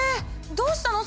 どうしたの？